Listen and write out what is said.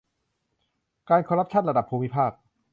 การคอร์รัปชั่นระดับภูมิภาค